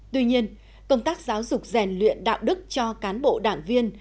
tuy nhiên công tác giáo dục rèn luyện đạo đức cho cán bộ đảng viên